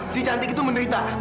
si cantik itu menderita